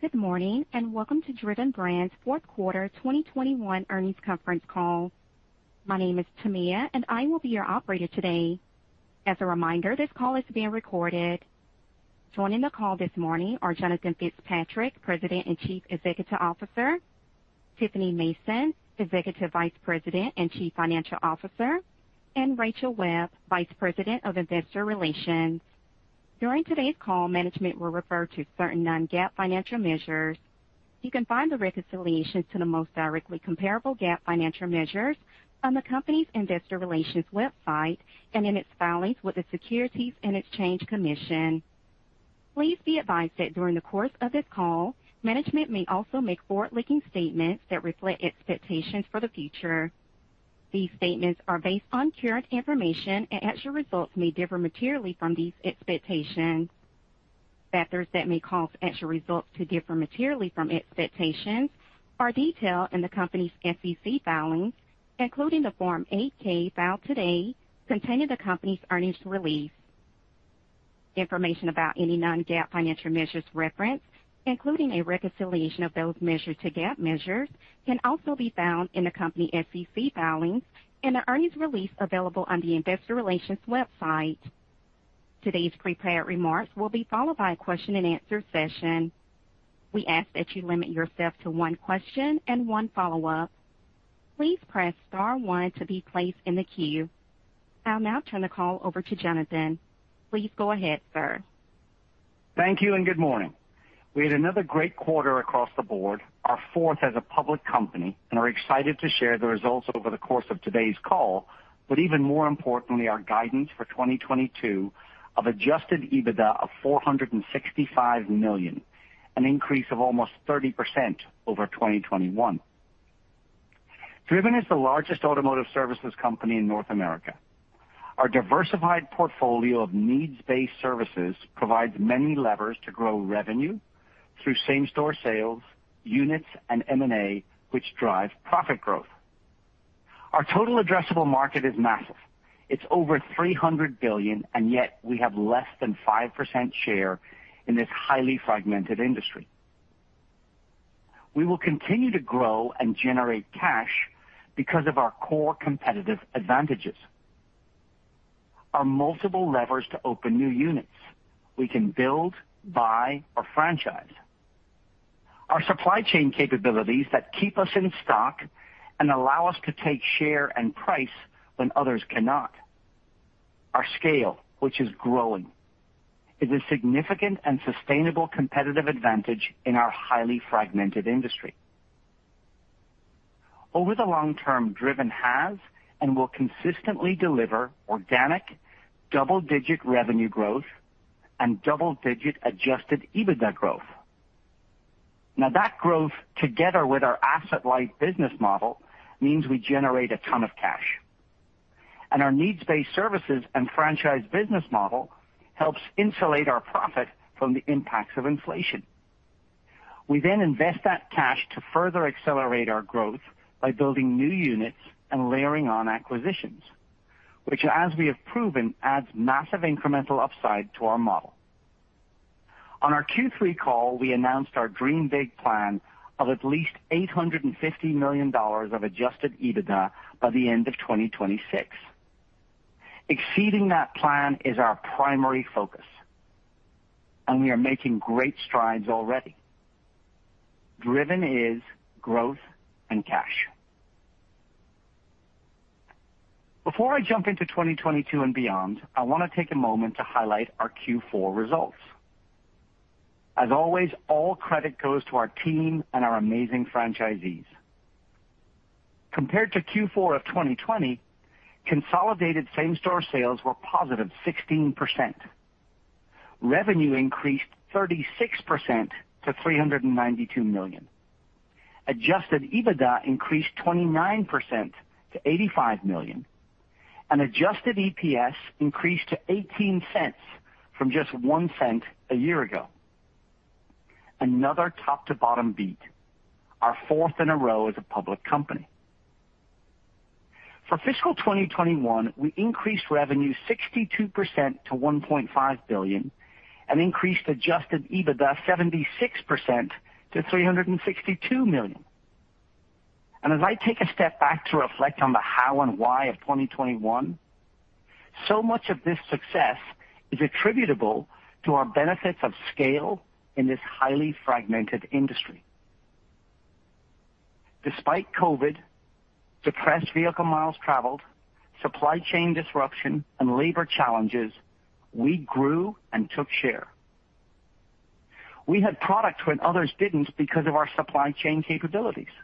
Good morning, and welcome to Driven Brands' fourth quarter 2021 earnings conference call. My name is Tamia, and I will be your operator today. As a reminder, this call is being recorded. Joining the call this morning are Jonathan Fitzpatrick, President and Chief Executive Officer; Tiffany Mason, Executive Vice President and Chief Financial Officer; and Rachel Webb, Vice President of Investor Relations. During today's call, management will refer to certain non-GAAP financial measures. You can find the reconciliation to the most directly comparable GAAP financial measures on the company's investor relations website and in its filings with the Securities and Exchange Commission. Please be advised that during the course of this call, management may also make forward-looking statements that reflect expectations for the future. These statements are based on current information, and actual results may differ materially from these expectations. Factors that may cause actual results to differ materially from expectations are detailed in the company's SEC filings, including the Form 8-K filed today containing the company's earnings release. Information about any non-GAAP financial measures referenced, including a reconciliation of those measures to GAAP measures, can also be found in the company's SEC filings and the earnings release available on the investor relations website. Today's prepared remarks will be followed by a question-and-answer session. We ask that you limit yourself to one question and one follow-up. Please press star one to be placed in the queue. I'll now turn the call over to Jonathan. Please go ahead, sir. Thank you and good morning. We had another great quarter across the board, our fourth as a public company, and are excited to share the results over the course of today's call. Even more importantly, our guidance for 2022 of adjusted EBITDA of $465 million, an increase of almost 30% over 2021. Driven is the largest automotive services company in North America. Our diversified portfolio of needs-based services provides many levers to grow revenue through same-store sales, units, and M&A, which drive profit growth. Our total addressable market is massive. It's over $300 billion, and yet we have less than 5% share in this highly fragmented industry. We will continue to grow and generate cash because of our core competitive advantages, our multiple levers to open new units. We can build, buy, or franchise. Our supply chain capabilities that keep us in stock and allow us to take share and price when others cannot. Our scale, which is growing, is a significant and sustainable competitive advantage in our highly fragmented industry. Over the long term, Driven has and will consistently deliver organic double-digit revenue growth and double-digit adjusted EBITDA growth. Now that growth, together with our asset-light business model, means we generate a ton of cash. Our needs-based services and franchise business model helps insulate our profit from the impacts of inflation. We then invest that cash to further accelerate our growth by building new units and layering on acquisitions, which, as we have proven, adds massive incremental upside to our model. On our Q3 call, we announced our Dream Big plan of at least $850 million of adjusted EBITDA by the end of 2026. Exceeding that plan is our primary focus, and we are making great strides already. Driven is growth and cash. Before I jump into 2022 and beyond, I wanna take a moment to highlight our Q4 results. As always, all credit goes to our team and our amazing franchisees. Compared to Q4 of 2020, consolidated same-store sales were positive 16%. Revenue increased 36% to $392 million. Adjusted EBITDA increased 29% to $85 million. Adjusted EPS increased to $0.18 from just $0.01 a year ago. Another top-to-bottom beat, our fourth in a row as a public company. For fiscal 2021, we increased revenue 62% to $1.5 billion and increased adjusted EBITDA 76% to $362 million. As I take a step back to reflect on the how and why of 2021, so much of this success is attributable to our benefits of scale in this highly fragmented industry. Despite COVID, depressed vehicle miles traveled, supply chain disruption, and labor challenges, we grew and took share. We had product when others didn't because of our supply chain capabilities,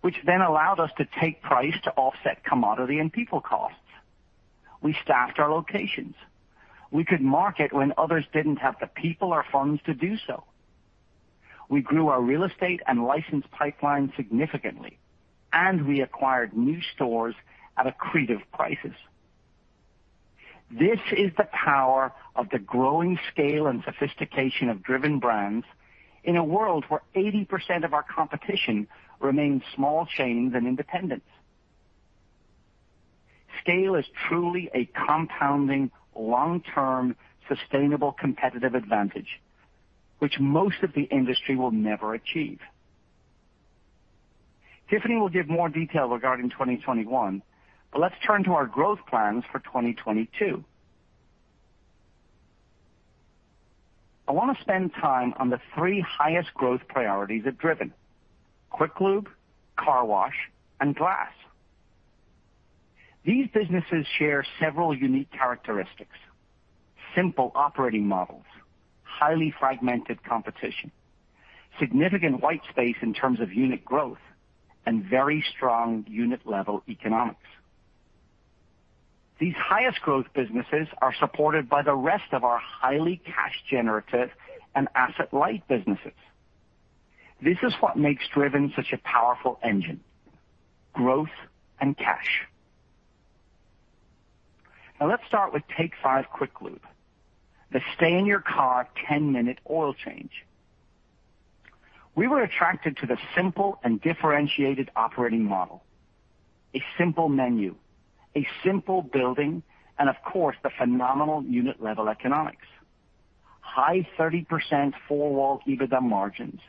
which then allowed us to take price to offset commodity and people costs. We staffed our locations. We could market when others didn't have the people or funds to do so. We grew our real estate and licensed pipeline significantly, and we acquired new stores at accretive prices. This is the power of the growing scale and sophistication of Driven Brands in a world where 80% of our competition remains small chains and independents. Scale is truly a compounding long-term sustainable competitive advantage, which most of the industry will never achieve. Tiffany will give more detail regarding 2021, but let's turn to our growth plans for 2022. I wanna spend time on the three highest growth priorities at Driven: Quick Lube, car wash, and glass. These businesses share several unique characteristics, simple operating models, highly fragmented competition, significant white space in terms of unit growth, and very strong unit-level economics. These highest growth businesses are supported by the rest of our highly cash-generative and asset-light businesses. This is what makes Driven such a powerful engine, growth and cash. Now let's start with Take 5 Quick Lube, the stay-in-your-car 10-minute oil change. We were attracted to the simple and differentiated operating model, a simple menu, a simple building, and of course, the phenomenal unit-level economics. High 30% four-wall EBITDA margins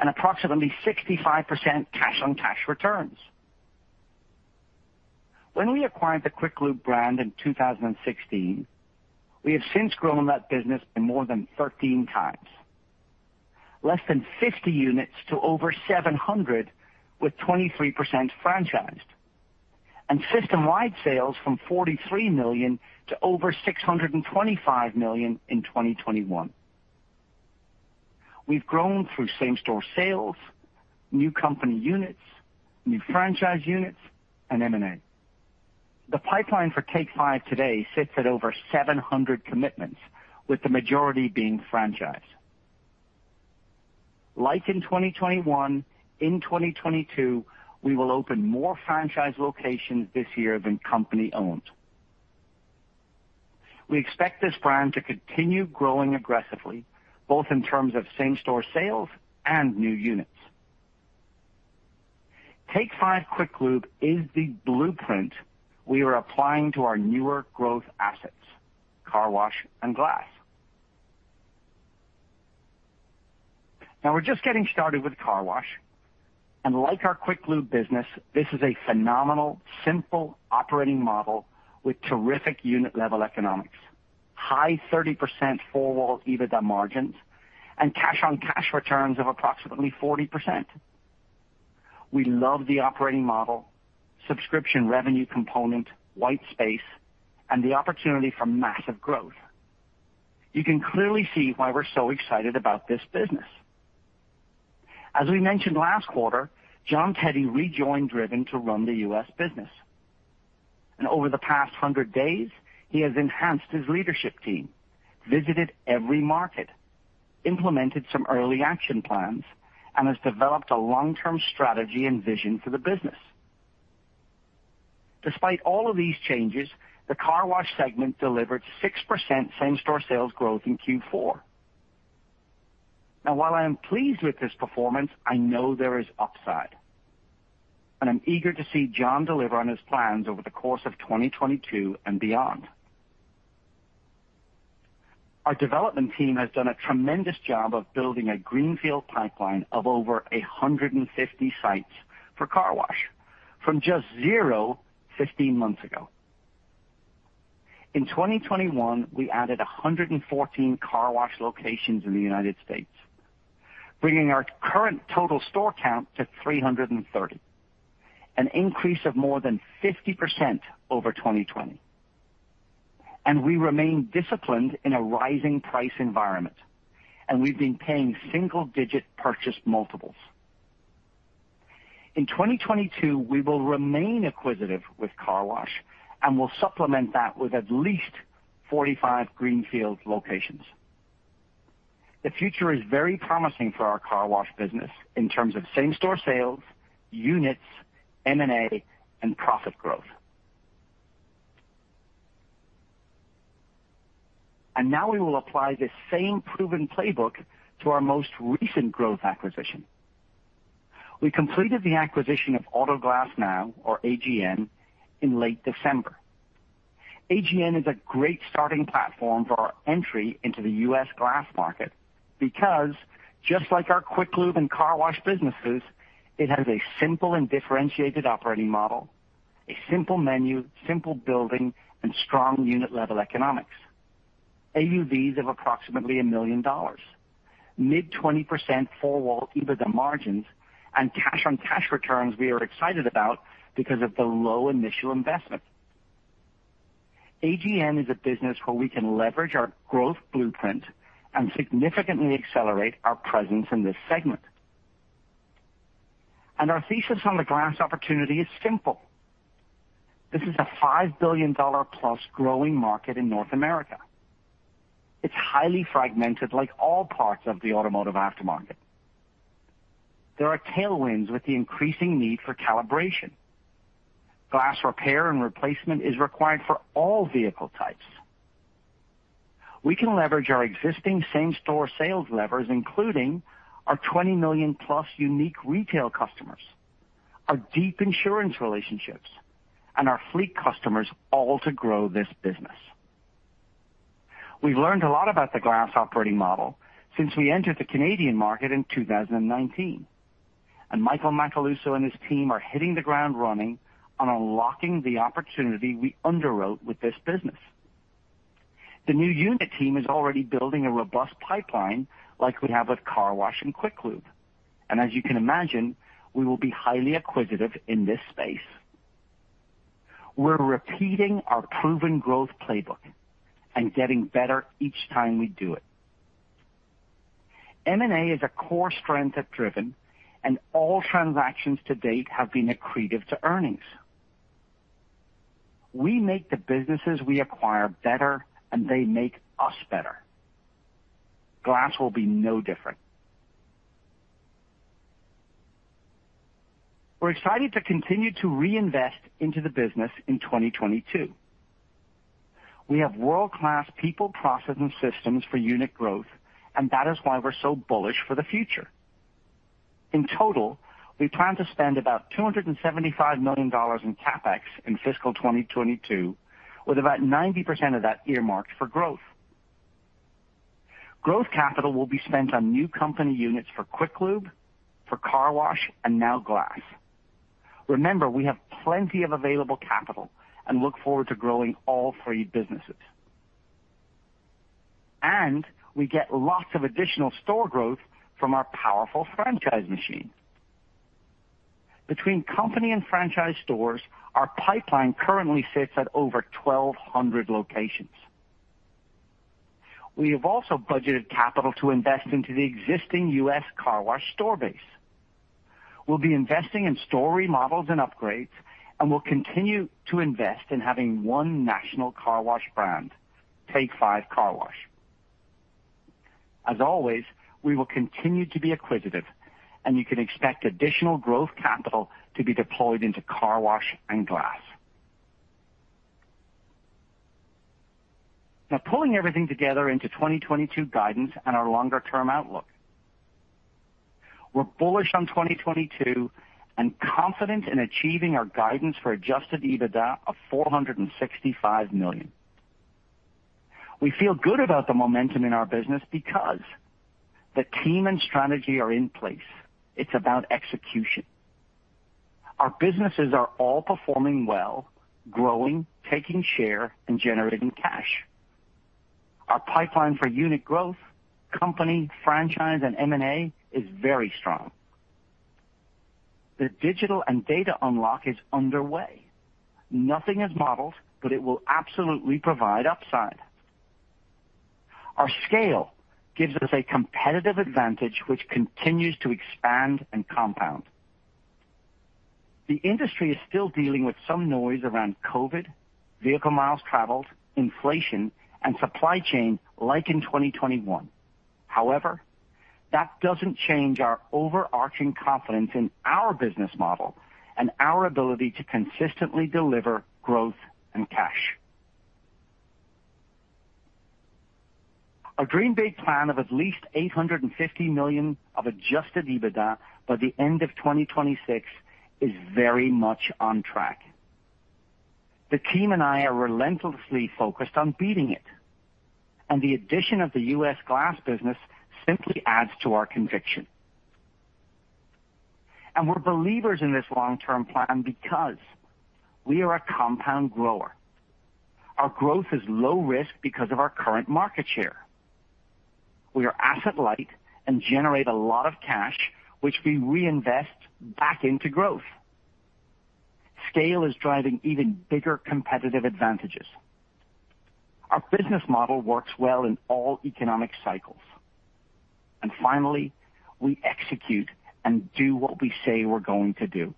and approximately 65% cash-on-cash returns. When we acquired the Quick Lube brand in 2016, we have since grown that business in more than 13 times. Less than 50 units to over 700, with 23% franchised, and system-wide sales from $43 million to over $625 million in 2021. We've grown through same-store sales, new company units, new franchise units, and M&A. The pipeline for Take 5 today sits at over 700 commitments, with the majority being franchise. Like in 2021, in 2022, we will open more franchise locations this year than company-owned. We expect this brand to continue growing aggressively, both in terms of same-store sales and new units. Take 5 Oil Change is the blueprint we are applying to our newer growth assets, car wash and glass. Now we're just getting started with car wash, and like our quick lube business, this is a phenomenal, simple operating model with terrific unit-level economics. High 30% four-wall EBITDA margins and cash-on-cash returns of approximately 40%. We love the operating model, subscription revenue component, white space, and the opportunity for massive growth. You can clearly see why we're so excited about this business. As we mentioned last quarter, Jon McNeill rejoined Driven to run the U.S. business. Over the past 100 days, he has enhanced his leadership team, visited every market, implemented some early action plans, and has developed a long-term strategy and vision for the business. Despite all of these changes, the car wash segment delivered 6% same-store sales growth in Q4. Now while I am pleased with this performance, I know there is upside, and I'm eager to see Jon deliver on his plans over the course of 2022 and beyond. Our development team has done a tremendous job of building a greenfield pipeline of over 150 sites for car wash from just zero 15 months ago. In 2021, we added 114 car wash locations in the United States, bringing our current total store count to 330, an increase of more than 50% over 2020. We remain disciplined in a rising price environment, and we've been paying single-digit purchase multiples. In 2022, we will remain acquisitive with car wash, and we'll supplement that with at least 45 greenfield locations. The future is very promising for our car wash business in terms of same-store sales, units, M&A, and profit growth. Now we will apply this same proven playbook to our most recent growth acquisition. We completed the acquisition of Auto Glass Now, or AGN, in late December. AGN is a great starting platform for our entry into the U.S. glass market because just like our Quick Lube and car wash businesses, it has a simple and differentiated operating model, a simple menu, simple building, and strong unit-level economics. AUVs of approximately $1 million, mid-20% four-wall EBITDA margins, and cash-on-cash returns we are excited about because of the low initial investment. AGN is a business where we can leverage our growth blueprint and significantly accelerate our presence in this segment. Our thesis on the glass opportunity is simple. This is a $5 billion-plus growing market in North America. It's highly fragmented like all parts of the automotive aftermarket. There are tailwinds with the increasing need for calibration. Glass repair and replacement is required for all vehicle types. We can leverage our existing same-store sales levers, including our $20 million-plus unique retail customers, our deep insurance relationships, and our fleet customers all to grow this business. We've learned a lot about the glass operating model since we entered the Canadian market in 2019, and Michael Macaluso and his team are hitting the ground running on unlocking the opportunity we underwrote with this business. The new unit team is already building a robust pipeline like we have with car wash and Quick Lube, and as you can imagine, we will be highly acquisitive in this space. We're repeating our proven growth playbook and getting better each time we do it. M&A is a core strength at Driven, and all transactions to date have been accretive to earnings. We make the businesses we acquire better, and they make us better. Glass will be no different. We're excited to continue to reinvest into the business in 2022. We have world-class people, process, and systems for unit growth, and that is why we're so bullish for the future. In total, we plan to spend about $275 million in CapEx in fiscal 2022, with about 90% of that earmarked for growth. Growth capital will be spent on new company units for Quick Lube, for car wash, and now glass. Remember, we have plenty of available capital and look forward to growing all three businesses. We get lots of additional store growth from our powerful franchise machine. Between company and franchise stores, our pipeline currently sits at over 1,200 locations. We have also budgeted capital to invest into the existing U.S. car wash store base. We'll be investing in store models and upgrades, and we'll continue to invest in having one national car wash brand, Take 5 Car Wash. As always, we will continue to be acquisitive, and you can expect additional growth capital to be deployed into car wash and glass. Now, pulling everything together into 2022 guidance and our longer-term outlook. We're bullish on 2022 and confident in achieving our guidance for adjusted EBITDA of $465 million. We feel good about the momentum in our business because the team and strategy are in place. It's about execution. Our businesses are all performing well, growing, taking share, and generating cash. Our pipeline for unit growth, company, franchise, and M&A is very strong. The digital and data unlock is underway. Nothing is modeled, but it will absolutely provide upside. Our scale gives us a competitive advantage which continues to expand and compound. The industry is still dealing with some noise around COVID, vehicle miles traveled, inflation, and supply chain like in 2021. However, that doesn't change our overarching confidence in our business model and our ability to consistently deliver growth and cash. Our Dream Big plan of at least $850 million of adjusted EBITDA by the end of 2026 is very much on track. The team and I are relentlessly focused on beating it, and the addition of the US glass business simply adds to our conviction. We're believers in this long-term plan because we are a compound grower. Our growth is low risk because of our current market share. We are asset light and generate a lot of cash, which we reinvest back into growth. Scale is driving even bigger competitive advantages. Our business model works well in all economic cycles. Finally, we execute and do what we say we're going to do.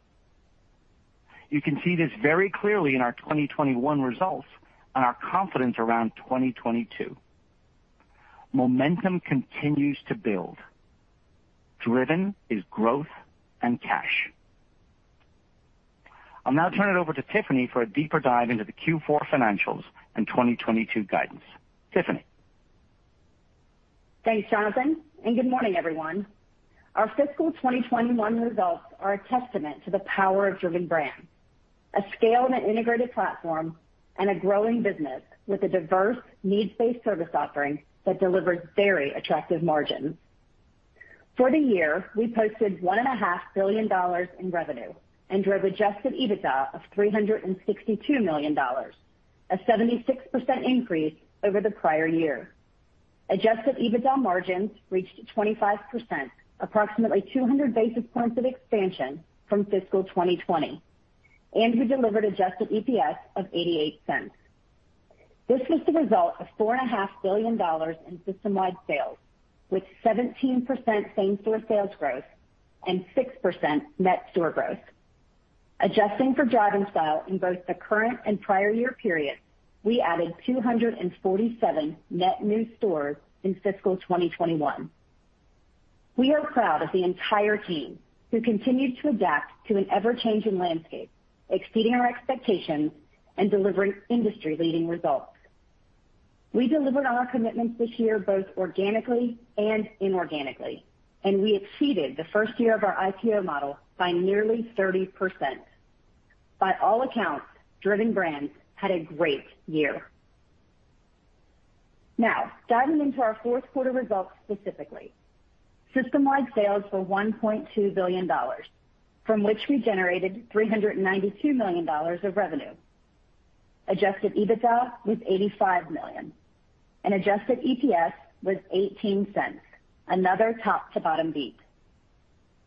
You can see this very clearly in our 2021 results and our confidence around 2022. Momentum continues to build. Driven is growth and cash. I'll now turn it over to Tiffany for a deeper dive into the Q4 financials and 2022 guidance. Tiffany. Thanks, Jonathan, and good morning, everyone. Our fiscal 2021 results are a testament to the power of Driven Brands, a scale and an integrated platform, and a growing business with a diverse needs-based service offering that delivers very attractive margins. For the year, we posted $1.5 billion in revenue and drove adjusted EBITDA of $362 million, a 76% increase over the prior year. Adjusted EBITDA margins reached 25%, approximately 200 basis points of expansion from fiscal 2020, and we delivered adjusted EPS of $0.88. This was the result of $4.5 billion in system-wide sales, with 17% same-store sales growth and 6% net store growth. Adjusting for Drive N Style in both the current and prior year periods, we added 247 net new stores in fiscal 2021. We are proud of the entire team who continued to adapt to an ever-changing landscape, exceeding our expectations and delivering industry-leading results. We delivered on our commitments this year, both organically and inorganically, and we exceeded the first year of our IPO model by nearly 30%. By all accounts, Driven Brands had a great year. Now, diving into our fourth quarter results specifically. System-wide sales were $1.2 billion, from which we generated $392 million of revenue. Adjusted EBITDA was $85 million, and adjusted EPS was $0.18, another top-to-bottom beat.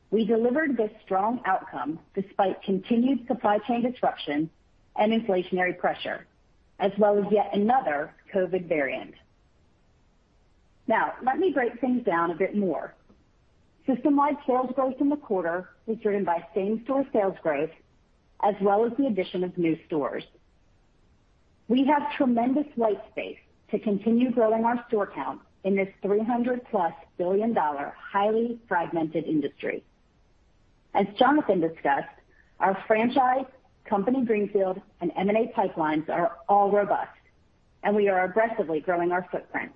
We delivered this strong outcome despite continued supply chain disruption and inflationary pressure, as well as yet another COVID variant. Now, let me break things down a bit more. System-wide sales growth in the quarter was driven by same-store sales growth, as well as the addition of new stores. We have tremendous white space to continue growing our store count in this $300+ billion, highly fragmented industry. As Jonathan discussed, our franchise, company greenfield, and M&A pipelines are all robust, and we are aggressively growing our footprint.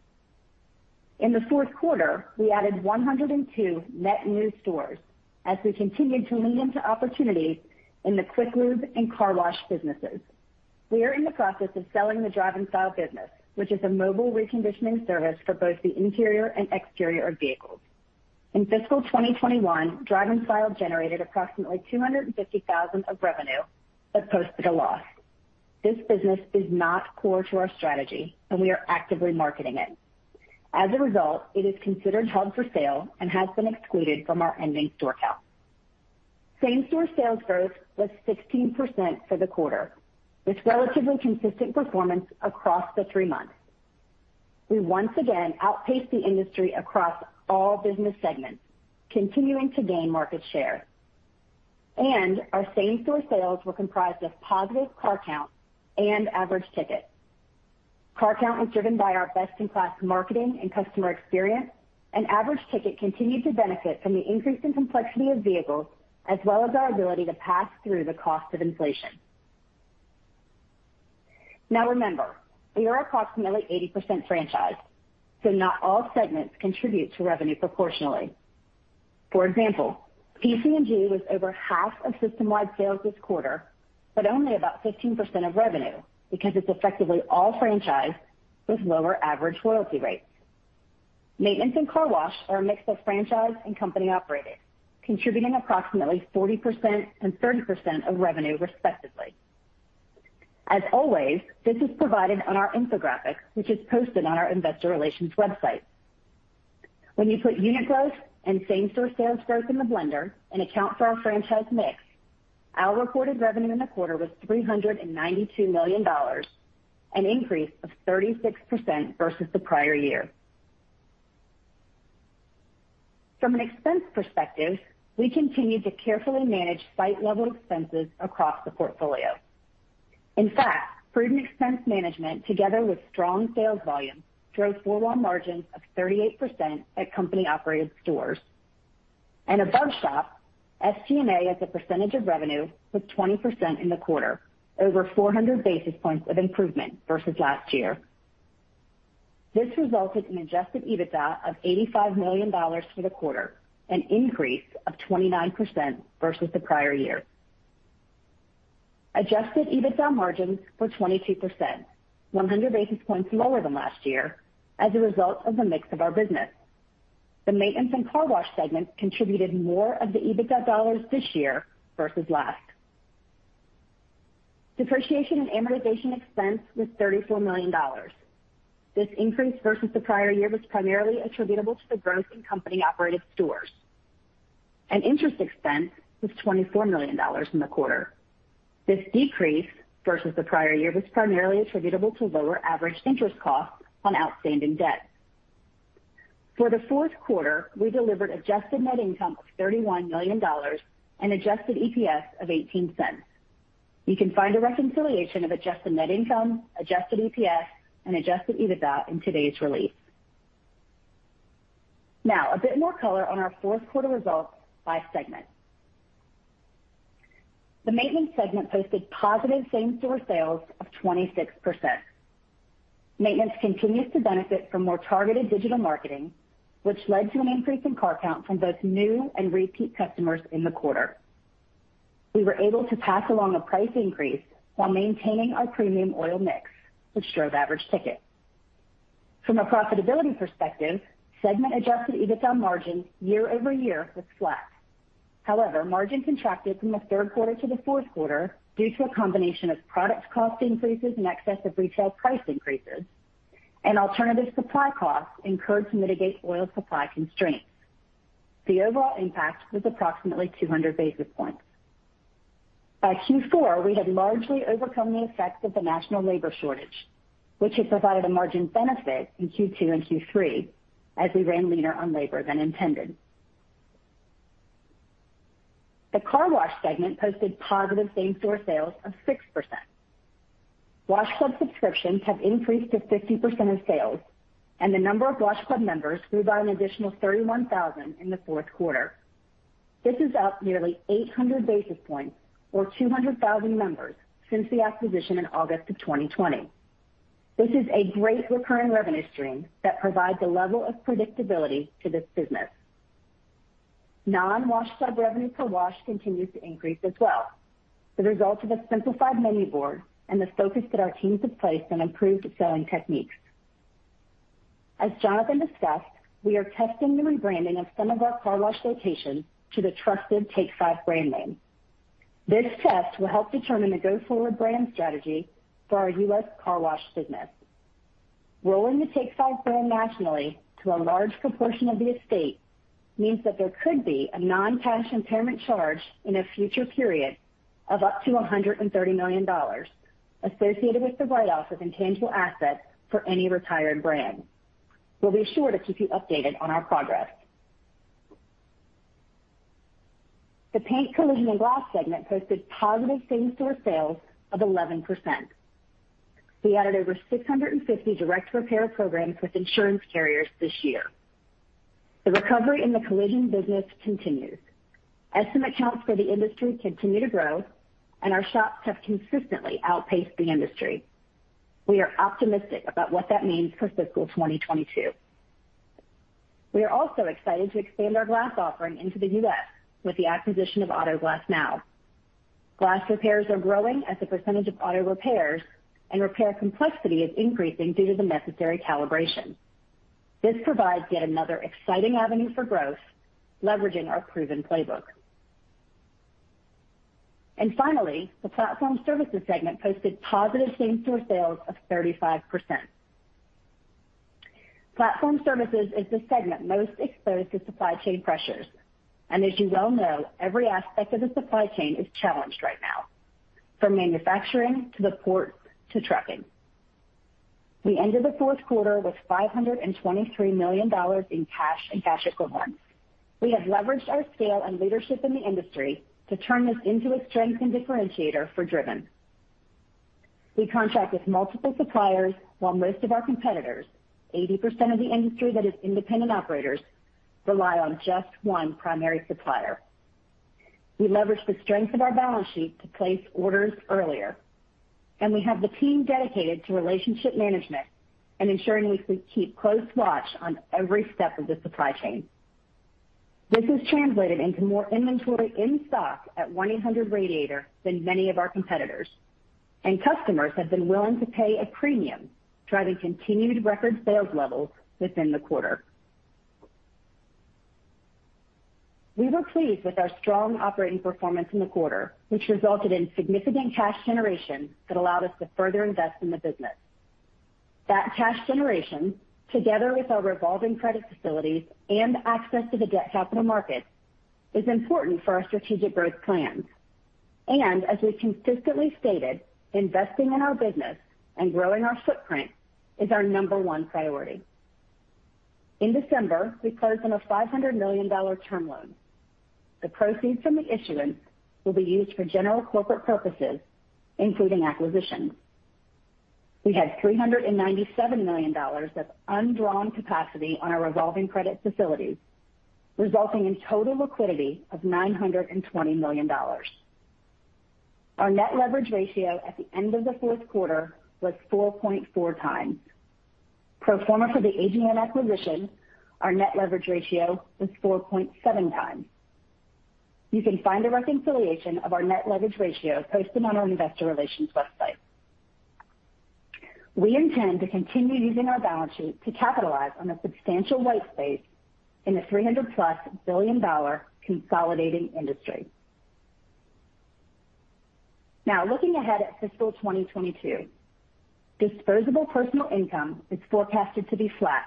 In the fourth quarter, we added 102 net new stores as we continued to lean into opportunities in the Quick Lube and car wash businesses. We are in the process of selling the Drive & Style business, which is a mobile reconditioning service for both the interior and exterior of vehicles. In fiscal 2021, Drive & Style generated approximately $250,000 of revenue but posted a loss. This business is not core to our strategy, and we are actively marketing it. As a result, it is considered held for sale and has been excluded from our ending store count. Same-store sales growth was 16% for the quarter, with relatively consistent performance across the three months. We once again outpaced the industry across all business segments, continuing to gain market share. Our same-store sales were comprised of positive car count and average ticket. Car count was driven by our best-in-class marketing and customer experience, and average ticket continued to benefit from the increasing complexity of vehicles, as well as our ability to pass through the cost of inflation. Now remember, we are approximately 80% franchised, so not all segments contribute to revenue proportionally. For example, PC&G was over half of system-wide sales this quarter, but only about 15% of revenue because it's effectively all franchised with lower average royalty rates. Maintenance and car wash are a mix of franchise and company-operated, contributing approximately 40% and 30% of revenue respectively. As always, this is provided on our infographic, which is posted on our investor relations website. When you put unit growth and same-store sales growth in the blender and account for our franchise mix, our recorded revenue in the quarter was $392 million, an increase of 36% versus the prior year. From an expense perspective, we continued to carefully manage site-level expenses across the portfolio. In fact, prudent expense management together with strong sales volume drove full margin of 38% at company-operated stores. Above shop, SG&A as a percentage of revenue was 20% in the quarter, over 400 basis points of improvement versus last year. This resulted in adjusted EBITDA of $85 million for the quarter, an increase of 29% versus the prior year. Adjusted EBITDA margins were 22%, 100 basis points lower than last year as a result of the mix of our business. The maintenance and car wash segment contributed more of the EBITDA dollars this year versus last. Depreciation and amortization expense was $34 million. This increase versus the prior year was primarily attributable to the growth in company-operated stores. Interest expense was $24 million in the quarter. This decrease versus the prior year was primarily attributable to lower average interest costs on outstanding debt. For the fourth quarter, we delivered adjusted net income of $31 million and adjusted EPS of $0.18. You can find a reconciliation of adjusted net income, adjusted EPS, and adjusted EBITDA in today's release. Now, a bit more color on our fourth quarter results by segment. The Maintenance segment posted positive same-store sales of 26%. Maintenance continues to benefit from more targeted digital marketing, which led to an increase in car count from both new and repeat customers in the quarter. We were able to pass along a price increase while maintaining our premium oil mix, which drove average ticket. From a profitability perspective, segment adjusted EBITDA margin year-over-year was flat. However, margin contracted from the third quarter to the fourth quarter due to a combination of product cost increases in excess of retail price increases and alternative supply costs incurred to mitigate oil supply constraints. The overall impact was approximately 200 basis points. By Q4, we had largely overcome the effects of the national labor shortage, which had provided a margin benefit in Q2 and Q3 as we ran leaner on labor than intended. The car wash segment posted positive same-store sales of 6%. Wash club subscriptions have increased to 50% of sales, and the number of wash club members grew by an additional 31,000 in the fourth quarter. This is up nearly 800 basis points, or 200,000 members since the acquisition in August of 2020. This is a great recurring revenue stream that provides a level of predictability to this business. Non-wash club revenue per wash continues to increase as well, the result of a simplified menu board and the focus that our teams have placed on improved selling techniques. As Jonathan discussed, we are testing the rebranding of some of our car wash locations to the trusted Take 5 brand name. This test will help determine the go-forward brand strategy for our U.S. car wash business. Rolling the Take 5 brand nationally to a large proportion of the estate means that there could be a non-cash impairment charge in a future period of up to $130 million associated with the write-off of intangible assets for any retired brand. We'll be sure to keep you updated on our progress. The Paint, Collision, and Glass segment posted positive same-store sales of 11%. We added over 650 direct repair programs with insurance carriers this year. The recovery in the collision business continues. Estimate counts for the industry continue to grow, and our shops have consistently outpaced the industry. We are optimistic about what that means for fiscal 2022. We are also excited to expand our glass offering into the U.S. with the acquisition of Auto Glass Now. Glass repairs are growing as a percentage of auto repairs, and repair complexity is increasing due to the necessary calibration. This provides yet another exciting avenue for growth, leveraging our proven playbook. Finally, the platform services segment posted positive same-store sales of 35%. Platform services is the segment most exposed to supply chain pressures. As you well know, every aspect of the supply chain is challenged right now, from manufacturing to the port to trucking. We ended the fourth quarter with $523 million in cash and cash equivalents. We have leveraged our scale and leadership in the industry to turn this into a strength and differentiator for Driven. We contract with multiple suppliers while most of our competitors, 80% of the industry that is independent operators, rely on just one primary supplier. We leverage the strength of our balance sheet to place orders earlier, and we have the team dedicated to relationship management and ensuring we keep close watch on every step of the supply chain. This has translated into more inventory in stock at 1-800 Radiator than many of our competitors. Customers have been willing to pay a premium, driving continued record sales levels within the quarter. We were pleased with our strong operating performance in the quarter, which resulted in significant cash generation that allowed us to further invest in the business. That cash generation, together with our revolving credit facilities and access to the debt capital markets, is important for our strategic growth plans. As we've consistently stated, investing in our business and growing our footprint is our number one priority. In December, we closed on a $500 million term loan. The proceeds from the issuance will be used for general corporate purposes, including acquisitions. We had $397 million of undrawn capacity on our revolving credit facilities, resulting in total liquidity of $920 million. Our net leverage ratio at the end of the fourth quarter was 4.4 times. Pro forma for the AGN acquisition, our net leverage ratio was 4.7 times. You can find a reconciliation of our net leverage ratio posted on our investor relations website. We intend to continue using our balance sheet to capitalize on the substantial white space in the $300+ billion consolidating industry. Now, looking ahead at fiscal 2022, disposable personal income is forecasted to be flat,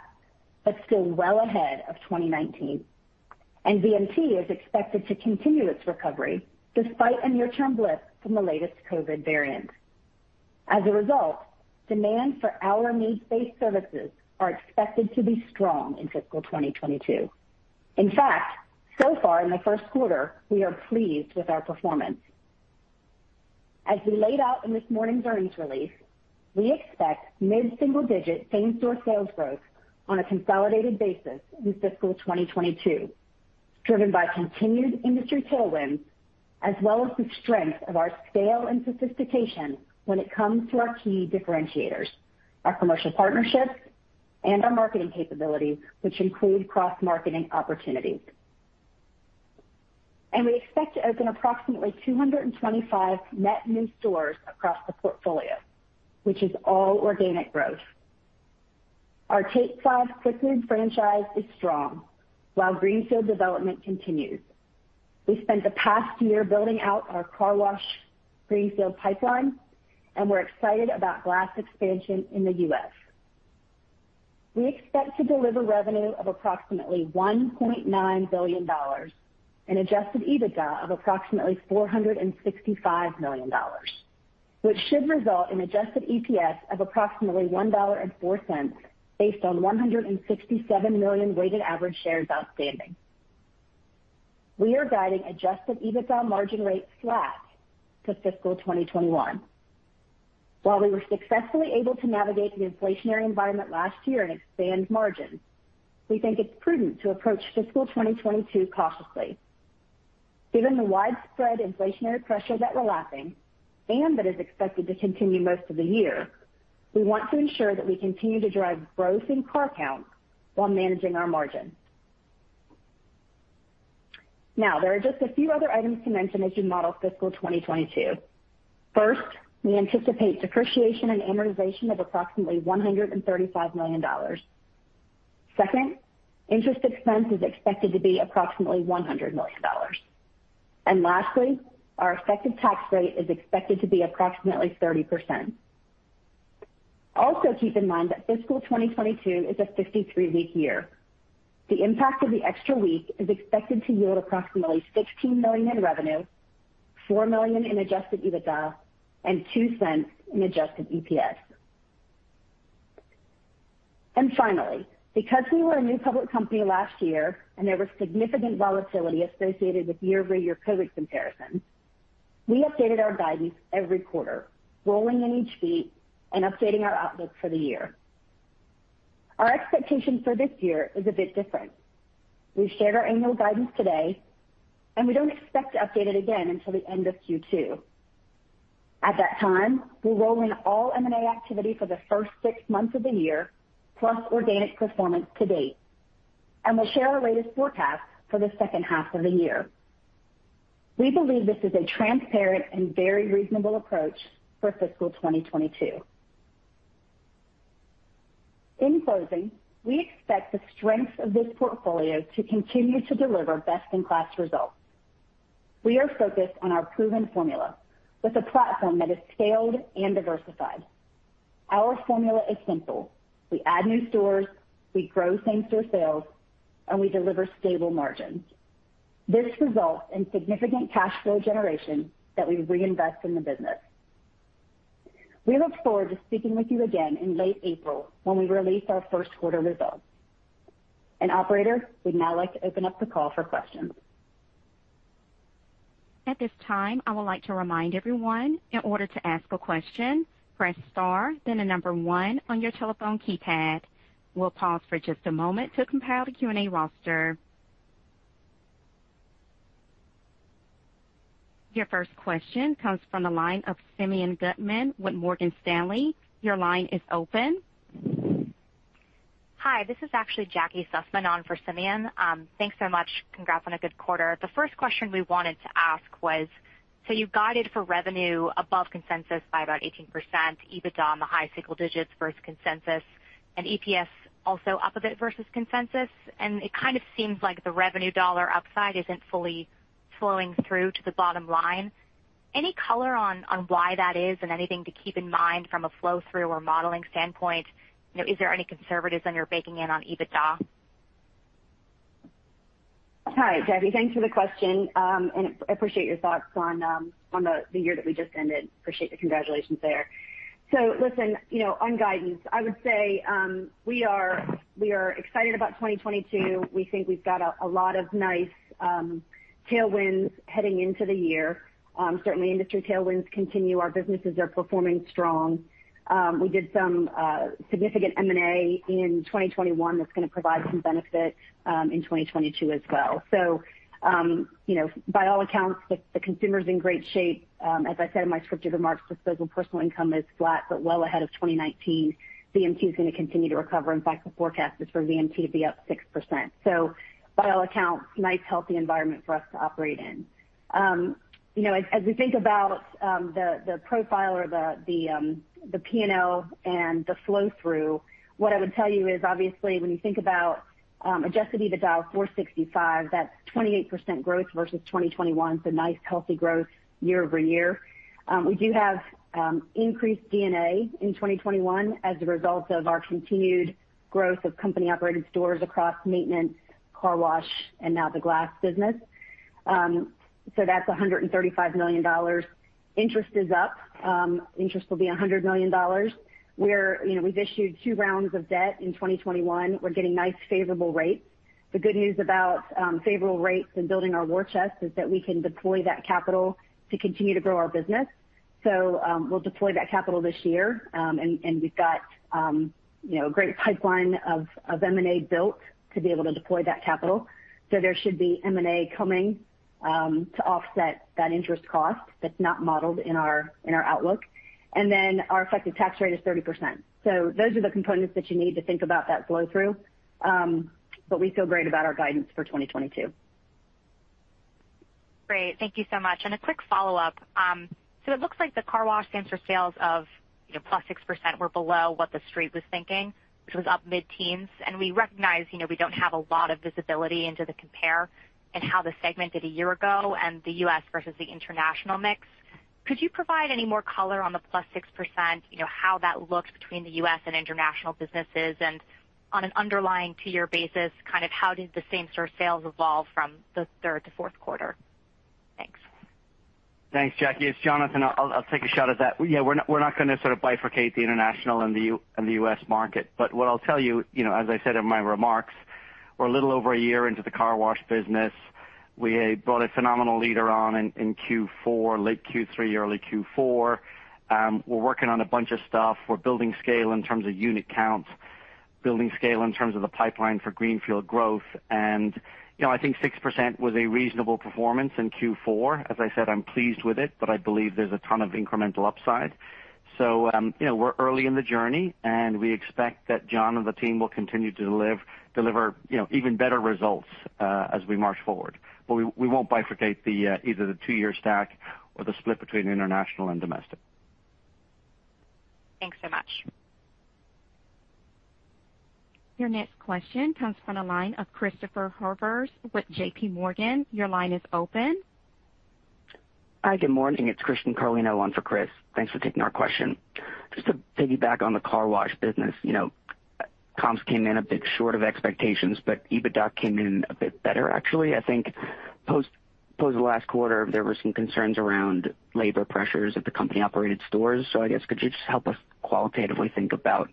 but still well ahead of 2019. VMT is expected to continue its recovery despite a near-term blip from the latest COVID variant. As a result, demand for our needs-based services are expected to be strong in fiscal 2022. In fact, so far in the first quarter, we are pleased with our performance. As we laid out in this morning's earnings release, we expect mid-single digit same-store sales growth on a consolidated basis in fiscal 2022, driven by continued industry tailwinds, as well as the strength of our scale and sophistication when it comes to our key differentiators, our commercial partnerships, and our marketing capabilities, which include cross-marketing opportunities. We expect to open approximately 225 net new stores across the portfolio, which is all organic growth. Our Take 5 quick lube franchise is strong while greenfield development continues. We spent the past year building out our car wash greenfield pipeline, and we're excited about glass expansion in the U.S. We expect to deliver revenue of approximately $1.9 billion and adjusted EBITDA of approximately $465 million, which should result in adjusted EPS of approximately $1.04, based on $167 million weighted average shares outstanding. We are guiding adjusted EBITDA margin rate flat to fiscal 2021. While we were successfully able to navigate the inflationary environment last year and expand margins, we think it's prudent to approach fiscal 2022 cautiously. Given the widespread inflationary pressure that we're lapping and that is expected to continue most of the year, we want to ensure that we continue to drive growth in car count while managing our margin. Now, there are just a few other items to mention as you model fiscal 2022. First, we anticipate depreciation and amortization of approximately $135 million. Second, interest expense is expected to be approximately $100 million. Lastly, our effective tax rate is expected to be approximately 30%. Also, keep in mind that fiscal 2022 is a 53-week year. The impact of the extra week is expected to yield approximately $16 million in revenue, $4 million in adjusted EBITDA, and $0.02 in adjusted EPS. Finally, because we were a new public company last year and there was significant volatility associated with year-over-year COVID comparisons, we updated our guidance every quarter, rolling in each beat and updating our outlook for the year. Our expectation for this year is a bit different. We've shared our annual guidance today, and we don't expect to update it again until the end of Q2. At that time, we'll roll in all M&A activity for the first six months of the year, plus organic performance to date, and we'll share our latest forecast for the second half of the year. We believe this is a transparent and very reasonable approach for fiscal 2022. In closing, we expect the strength of this portfolio to continue to deliver best-in-class results. We are focused on our proven formula with a platform that is scaled and diversified. Our formula is simple. We add new stores, we grow same-store sales, and we deliver stable margins. This results in significant cash flow generation that we reinvest in the business. We look forward to speaking with you again in late April when we release our first quarter results. Operator, we'd now like to open up the call for questions. At this time, I would like to remind everyone, in order to ask a question, press star then the number one on your telephone keypad. We'll pause for just a moment to compile the Q&A roster. Your first question comes from the line of Simeon Gutman with Morgan Stanley. Your line is open. Hi, this is actually Jackie Sussman on for Simeon. Thanks so much. Congrats on a good quarter. The first question we wanted to ask was, so you've guided for revenue above consensus by about 18%, EBITDA in the high single digits versus consensus, and EPS also up a bit versus consensus. It kind of seems like the revenue dollar upside isn't fully flowing through to the bottom line. Any color on why that is and anything to keep in mind from a flow-through or modeling standpoint? You know, is there any conservatism you're baking in on EBITDA? Hi, Jackie. Thanks for the question, and appreciate your thoughts on the year that we just ended. Appreciate the congratulations there. Listen, you know, on guidance, I would say, we are excited about 2022. We think we've got a lot of nice tailwinds heading into the year. Certainly industry tailwinds continue. Our businesses are performing strong. We did some significant M&A in 2021 that's gonna provide some benefit in 2022 as well. You know, by all accounts, the consumer's in great shape. As I said in my scripted remarks, disposable personal income is flat, but well ahead of 2019. VMT is gonna continue to recover. In fact, the forecast is for VMT to be up 6%. By all accounts, nice, healthy environment for us to operate in. You know, as we think about the profile or the P&L and the flow through, what I would tell you is, obviously, when you think about adjusted EBITDA of $465 million, that's 28% growth versus 2021. Nice, healthy growth year-over-year. We do have increased D&A in 2021 as a result of our continued growth of company-operated stores across maintenance, car wash, and now the glass business. That's $135 million. Interest is up. Interest will be $100 million. You know, we've issued two rounds of debt in 2021. We're getting nice, favorable rates. The good news about favorable rates and building our war chest is that we can deploy that capital to continue to grow our business. We'll deploy that capital this year, and we've got, you know, a great pipeline of M&A built to be able to deploy that capital. There should be M&A coming to offset that interest cost that's not modeled in our outlook. Our effective tax rate is 30%. Those are the components that you need to think about that flow through, but we feel great about our guidance for 2022. Great. Thank you so much. A quick follow-up. So it looks like the car wash same-store sales of, you know, +6% were below what the street was thinking, which was up mid-teens%. We recognize, you know, we don't have a lot of visibility into the comp and how the segment did a year ago and the U.S. versus the international mix. Could you provide any more color on the +6%, you know, how that looks between the U.S. and international businesses? On an underlying two-year basis, kind of how did the same-store sales evolve from the third to fourth quarter? Thanks, Jackie. It's Jonathan. I'll take a shot at that. Yeah, we're not gonna sort of bifurcate the international and the U.S. market. What I'll tell you know, as I said in my remarks, we're a little over a year into the car wash business. We brought a phenomenal leader on in late Q3, early Q4. We're working on a bunch of stuff. We're building scale in terms of unit count, building scale in terms of the pipeline for greenfield growth. You know, I think 6% was a reasonable performance in Q4. As I said, I'm pleased with it, but I believe there's a ton of incremental upside. We're early in the journey, and we expect that John and the team will continue to deliver, you know, even better results as we march forward. We won't bifurcate either the two-year stack or the split between international and domestic. Thanks so much. Your next question comes from the line of Christopher Horvers with JP Morgan. Your line is open. Hi, good morning. It's Christian Carlino on for Chris. Thanks for taking our question. Just to piggyback on the car wash business, you know, comps came in a bit short of expectations, but EBITDA came in a bit better, actually. I think post last quarter, there were some concerns around labor pressures at the company-operated stores. I guess could you just help us qualitatively think about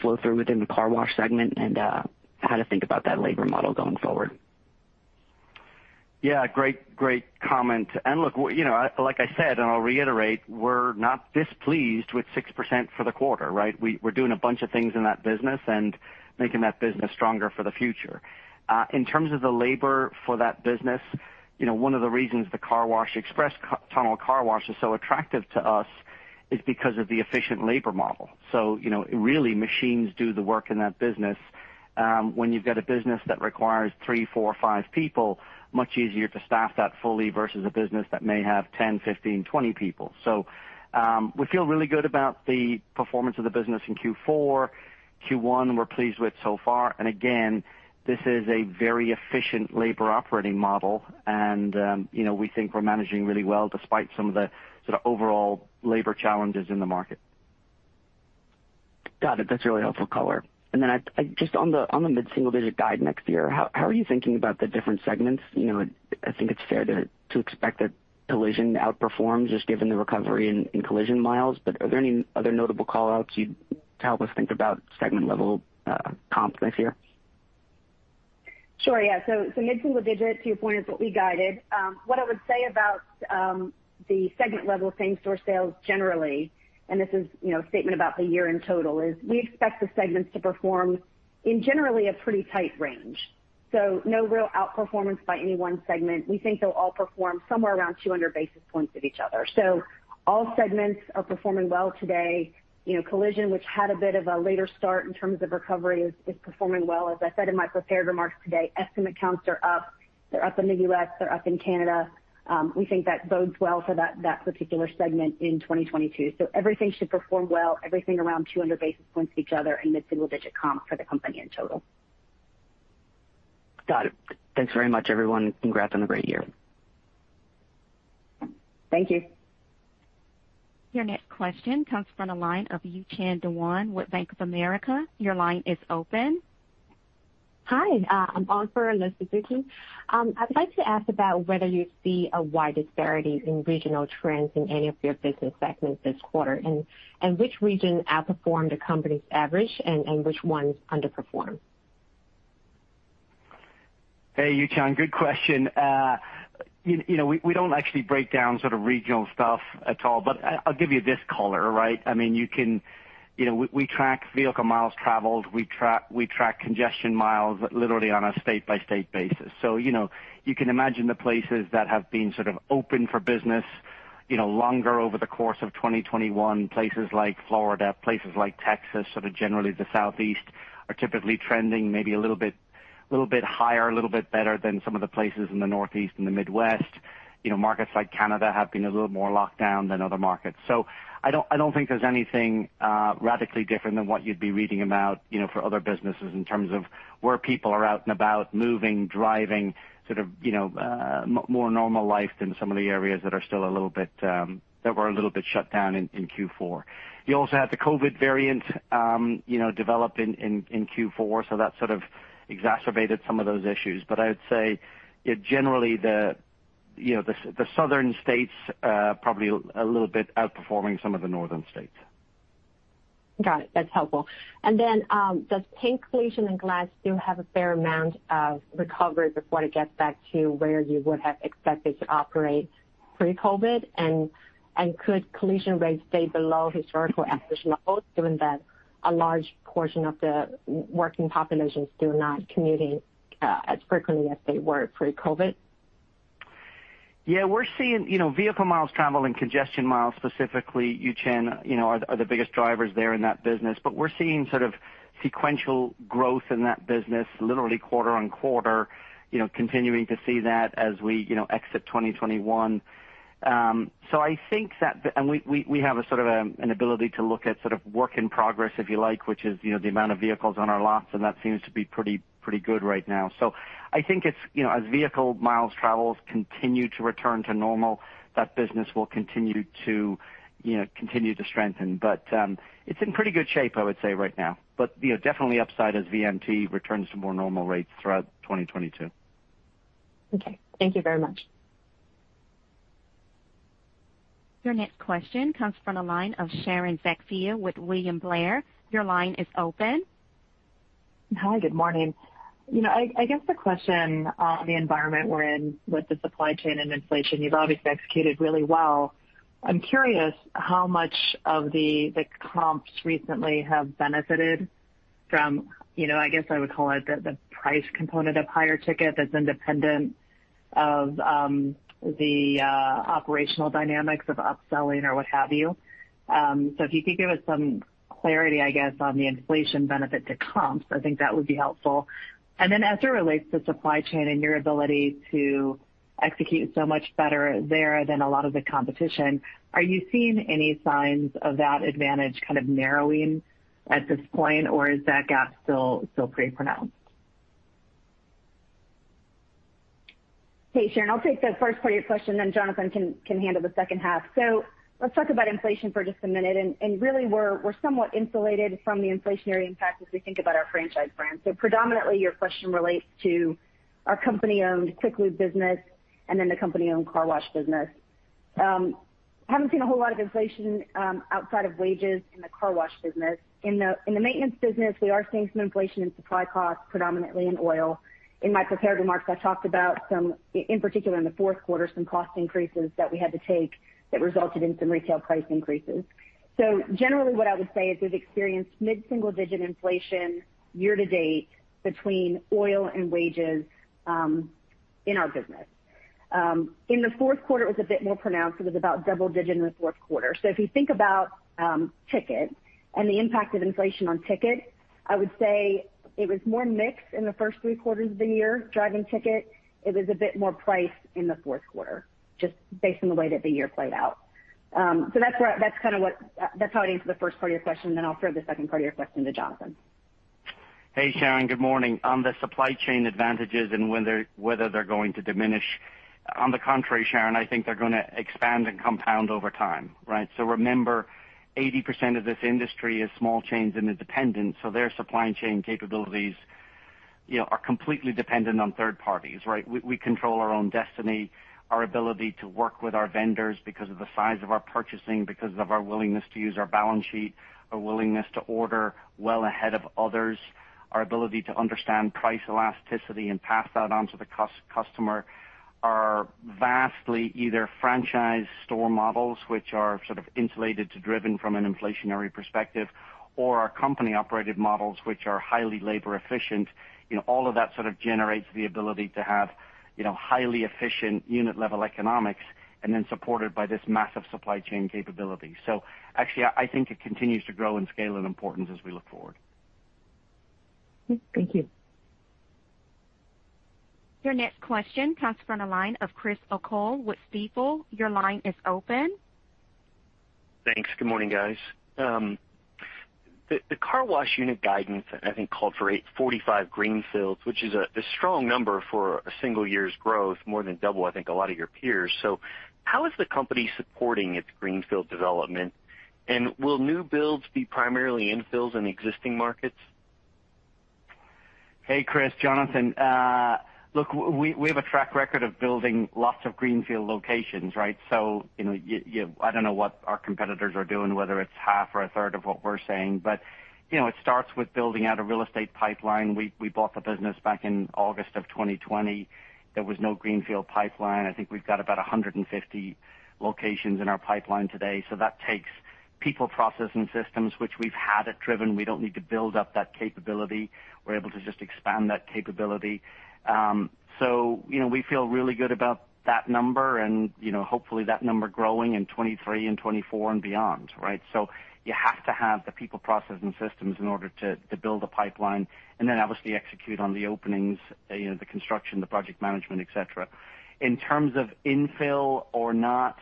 flow through within the car wash segment and how to think about that labor model going forward? Yeah, great comment. Look, you know, like I said, and I'll reiterate, we're not displeased with 6% for the quarter, right? We're doing a bunch of things in that business and making that business stronger for the future. In terms of the labor for that business, you know, one of the reasons the tunnel car wash is so attractive to us is because of the efficient labor model. You know, really, machines do the work in that business. When you've got a business that requires three, four, five people, much easier to staff that fully versus a business that may have 10, 15, 20 people. We feel really good about the performance of the business in Q4. Q1, we're pleased with so far. Again, this is a very efficient labor operating model, and, you know, we think we're managing really well despite some of the sort of overall labor challenges in the market. Got it. That's a really helpful color. Just on the mid-single-digit guide next year, how are you thinking about the different segments? You know, I think it's fair to expect that collision outperforms just given the recovery in collision miles. Are there any other notable call-outs you'd help us think about segment-level comps next year? Sure, yeah. Mid-single digit to your point is what we guided. What I would say about the segment-level same-store sales generally, and this is, you know, a statement about the year in total, is we expect the segments to perform in generally a pretty tight range. No real outperformance by any one segment. We think they'll all perform somewhere around 200 basis points of each other. All segments are performing well today. You know, Collision, which had a bit of a later start in terms of recovery, is performing well. As I said in my prepared remarks today, estimate counts are up. They're up in the U.S., they're up in Canada. We think that bodes well for that particular segment in 2022. Everything should perform well, everything around 200 basis points to each other and mid-single digit comp for the company in total. Got it. Thanks very much, everyone. Congrats on a great year. Thank you. Your next question comes from the line of Yu-Chan Dewan with Bank of America. Your line is open. Hi, I'm uncertain. I'd like to ask about whether you see a wide disparity in regional trends in any of your business segments this quarter and which region outperformed the company's average and which ones underperformed. Hey, Yu-Chan, good question. You know, we don't actually break down sort of regional stuff at all, but I'll give you this color, right? I mean, you know, we track vehicle miles traveled. We track congestion miles literally on a state-by-state basis. You know, you can imagine the places that have been sort of open for business, you know, longer over the course of 2021, places like Florida, places like Texas, sort of generally the Southeast, are typically trending maybe a little bit higher, a little bit better than some of the places in the Northeast and the Midwest. You know, markets like Canada have been a little more locked down than other markets. I don't think there's anything radically different than what you'd be reading about, you know, for other businesses in terms of where people are out and about moving, driving, sort of, you know, more normal life than some of the areas that are still a little bit that were a little bit shut down in Q4. You also had the COVID variant, you know, develop in Q4, so that sort of exacerbated some of those issues. I would say generally the, you know, the southern states probably a little bit outperforming some of the northern states. Got it. That's helpful. Does Paint, Collision & Glass still have a fair amount of recovery before it gets back to where you would have expected to operate pre-COVID? Could collision rates stay below historical average levels, given that a large portion of the working population is still not commuting as frequently as they were pre-COVID? Yeah. We're seeing, you know, vehicle miles traveled and congestion miles specifically, Yu-Chan you know, are the biggest drivers there in that business. We're seeing sort of sequential growth in that business literally quarter-over-quarter, you know, continuing to see that as we, you know, exit 2021. I think we have a sort of an ability to look at sort of work in progress, if you like, which is, you know, the amount of vehicles on our lots, and that seems to be pretty good right now. I think it's, you know, as vehicle miles traveled continue to return to normal, that business will continue to strengthen. It's in pretty good shape, I would say, right now. You know, definitely upside as VMT returns to more normal rates throughout 2022. Okay. Thank you very much. Your next question comes from the line of Sharon Zackfia with William Blair. Your line is open. Hi, good morning. You know, I guess the question on the environment we're in with the supply chain and inflation. You've obviously executed really well. I'm curious how much of the comps recently have benefited from, you know, I guess I would call it the price component of higher ticket that's independent of the operational dynamics of upselling or what have you. So if you could give us some clarity, I guess, on the inflation benefit to comps, I think that would be helpful. As it relates to supply chain and your ability to execute so much better there than a lot of the competition, are you seeing any signs of that advantage kind of narrowing at this point? Or is that gap still pretty pronounced? Hey, Sharon, I'll take the first part of your question, then Jonathan can handle the second half. Let's talk about inflation for just a minute. Really, we're somewhat insulated from the inflationary impact as we think about our franchise brands. Predominantly, your question relates to our company-owned Quick Lube business and then the company-owned car wash business. Haven't seen a whole lot of inflation outside of wages in the car wash business. In the maintenance business, we are seeing some inflation in supply costs, predominantly in oil. In my prepared remarks, I talked about some, in particular in the fourth quarter, some cost increases that we had to take that resulted in some retail price increases. Generally, what I would say is we've experienced mid-single-digit inflation year to date between oil and wages in our business. In the fourth quarter, it was a bit more pronounced. It was about double-digit in the fourth quarter. If you think about ticket and the impact of inflation on ticket, I would say it was more mixed in the first three quarters of the year driving ticket. It was a bit more priced in the fourth quarter, just based on the way that the year played out. That's how I'd answer the first part of your question. I'll throw the second part of your question to Jonathan. Hey, Sharon. Good morning. On the supply chain advantages and whether they're going to diminish, on the contrary, Sharon, I think they're gonna expand and compound over time, right? Remember, 80% of this industry is small chains independent, so their supply chain capabilities, you know, are completely dependent on third parties, right? We control our own destiny, our ability to work with our vendors because of the size of our purchasing, because of our willingness to use our balance sheet, our willingness to order well ahead of others. Our ability to understand price elasticity and pass that on to the customer are vastly either franchise store models, which are sort of insulated to Driven from an inflationary perspective, or our company-operated models, which are highly labor efficient. You know, all of that sort of generates the ability to have, you know, highly efficient unit-level economics and then supported by this massive supply chain capability. Actually I think it continues to grow in scale and importance as we look forward. Thank you. Your next question comes from the line of Chris O'Cull with Stifel. Your line is open. Thanks. Good morning, guys. The car wash unit guidance I think called for 85 greenfields, which is a strong number for a single year's growth, more than double, I think, a lot of your peers. How is the company supporting its greenfield development? Will new builds be primarily infills in existing markets? Hey, Chris. Jonathan. Look, we have a track record of building lots of greenfield locations, right? You know, I don't know what our competitors are doing, whether it's half or a third of what we're saying. You know, it starts with building out a real estate pipeline. We bought the business back in August of 2020. There was no greenfield pipeline. I think we've got about 150 locations in our pipeline today. That takes people, process, and systems, which we've had at Driven. We don't need to build up that capability. We're able to just expand that capability. You know, we feel really good about that number, and hopefully that number growing in 2023 and 2024 and beyond, right? You have to have the people, process, and systems in order to build a pipeline and then obviously execute on the openings, you know, the construction, the project management, et cetera. In terms of infill or not,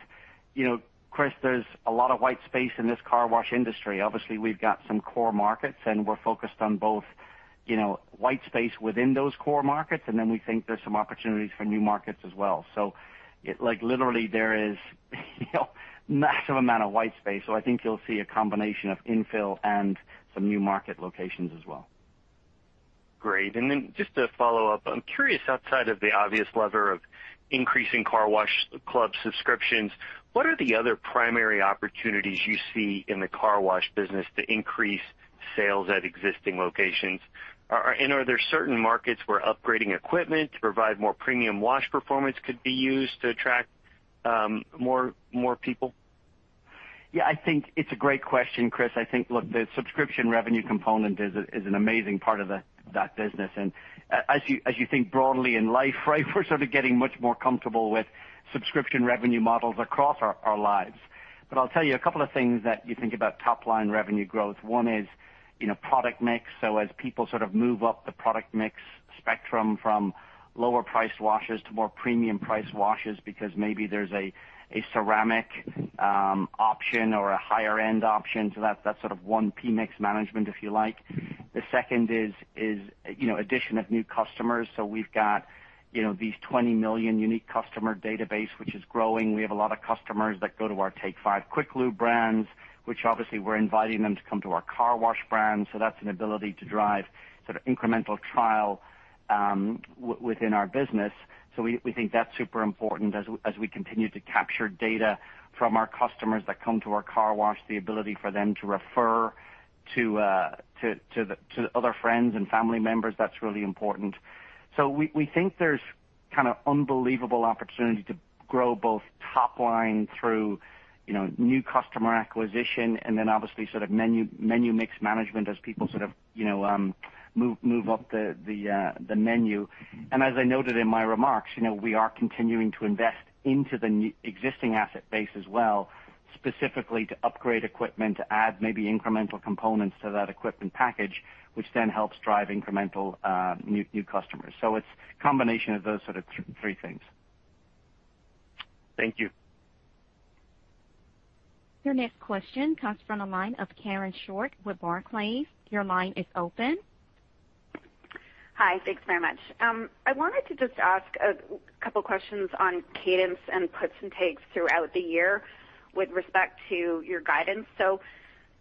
you know, Chris, there's a lot of white space in this car wash industry. Obviously, we've got some core markets, and we're focused on both, you know, white space within those core markets, and then we think there's some opportunities for new markets as well. It like, literally there is, you know, massive amount of white space. I think you'll see a combination of infill and some new market locations as well. Great. Just to follow up, I'm curious outside of the obvious lever of increasing car wash club subscriptions, what are the other primary opportunities you see in the car wash business to increase sales at existing locations? Are there certain markets where upgrading equipment to provide more premium wash performance could be used to attract more people? Yeah, I think it's a great question, Chris. I think, look, the subscription revenue component is an amazing part of that business. As you think broadly in life, right, we're sort of getting much more comfortable with subscription revenue models across our lives. I'll tell you a couple of things that you think about top line revenue growth. One is, you know, product mix. As people sort of move up the product mix spectrum from lower priced washes to more premium priced washes because maybe there's a ceramic option or a higher end option. That's sort of one PMIX management if you like. The second is, you know, addition of new customers. We've got, you know, these 20 million unique customer database, which is growing. We have a lot of customers that go to our Take 5 Quick Lube brands, which obviously we're inviting them to come to our car wash brands. That's an ability to drive sort of incremental trial within our business. We think that's super important as we continue to capture data from our customers that come to our car wash, the ability for them to refer to other friends and family members, that's really important. We think there's kind of unbelievable opportunity to grow both top line through, you know, new customer acquisition and then obviously sort of menu mix management as people sort of, you know, move up the menu. As I noted in my remarks, you know, we are continuing to invest into the existing asset base as well, specifically to upgrade equipment, to add maybe incremental components to that equipment package, which then helps drive incremental, new customers. It's a combination of those sort of three things. Thank you. Your next question comes from the line of Karen Short with Barclays. Your line is open. Hi. Thanks very much. I wanted to just ask a couple questions on cadence and puts and takes throughout the year with respect to your guidance.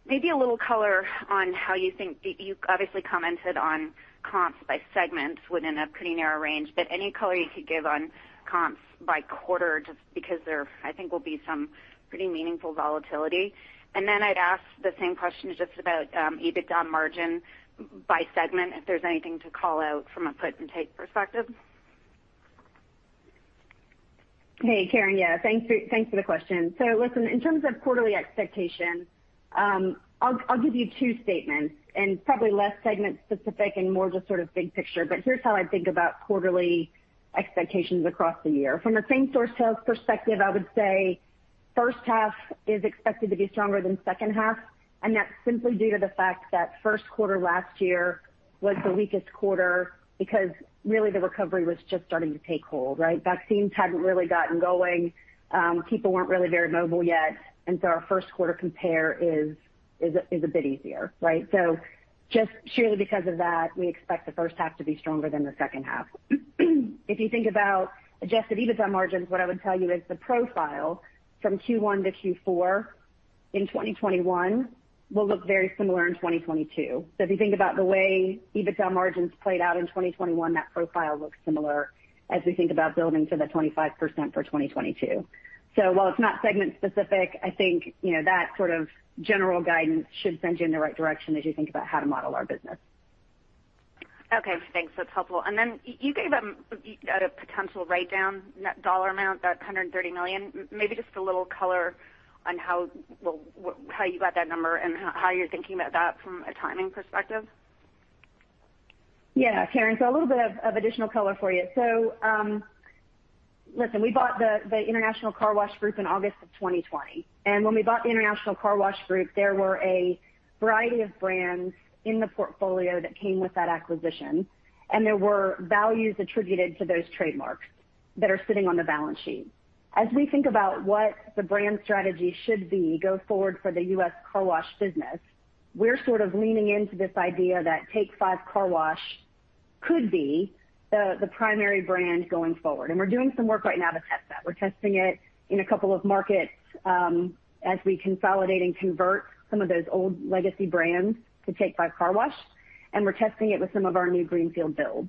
Maybe a little color on how you think. You obviously commented on comps by segments within a pretty narrow range, but any color you could give on comps by quarter, just because there, I think, will be some pretty meaningful volatility. I'd ask the same question just about EBITDA margin by segment, if there's anything to call out from a put and take perspective. Hey, Karen. Yeah, thanks for the question. Listen, in terms of quarterly expectations, I'll give you two statements and probably less segment specific and more just sort of big picture. Here's how I think about quarterly expectations across the year. From a same-store sales perspective, I would say first half is expected to be stronger than second half, and that's simply due to the fact that first quarter last year was the weakest quarter because really the recovery was just starting to take hold, right? Vaccines hadn't really gotten going. People weren't really very mobile yet. Our first quarter compare is a bit easier, right? Just purely because of that, we expect the first half to be stronger than the second half. If you think about adjusted EBITDA margins, what I would tell you is the profile from Q1 to Q4 in 2021 will look very similar in 2022. If you think about the way EBITDA margins played out in 2021, that profile looks similar as we think about building to the 25% for 2022. While it's not segment specific, I think, you know, that sort of general guidance should send you in the right direction as you think about how to model our business. Okay, thanks. That's helpful. You gave out a potential write-down net dollar amount, that $130 million. Maybe just a little color on how you got that number and how you're thinking about that from a timing perspective. Yeah, Karen. A little bit of additional color for you. We bought the International Carwash Group in August of 2020, and when we bought the International Carwash Group, there were a variety of brands in the portfolio that came with that acquisition, and there were values attributed to those trademarks that are sitting on the balance sheet. As we think about what the brand strategy should be going forward for the U.S. car wash business, we're leaning into this idea that Take 5 Car Wash could be the primary brand going forward. We're doing some work right now to test that. We're testing it in a couple of markets, as we consolidate and convert some of those old legacy brands to Take 5 Car Wash, and we're testing it with some of our new greenfield builds.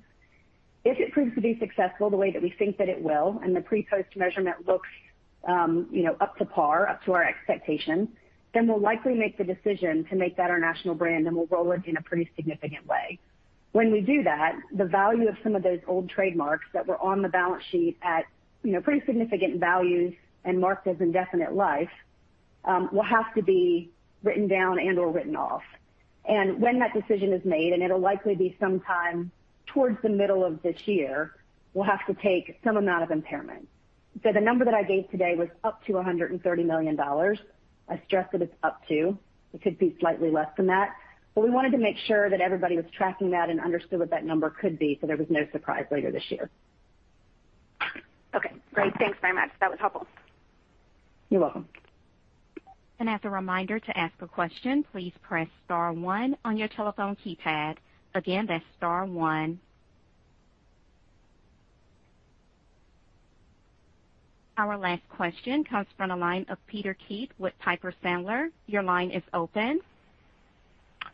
If it proves to be successful the way that we think that it will, and the pre/post measurement looks up to par, up to our expectations, then we'll likely make the decision to make that our national brand, and we'll roll it in a pretty significant way. When we do that, the value of some of those old trademarks that were on the balance sheet at pretty significant values and marked as indefinite life will have to be written down and/or written off. When that decision is made, and it'll likely be sometime towards the middle of this year, we'll have to take some amount of impairment. The number that I gave today was up to $130 million. I stress that it's up to. It could be slightly less than that. We wanted to make sure that everybody was tracking that and understood what that number could be, so there was no surprise later this year. Okay, great. Thanks very much. That was helpful. You're welcome. As a reminder to ask a question, please press star one on your telephone keypad. Again, that's star one. Our last question comes from the line of Peter Keith with Piper Sandler. Your line is open.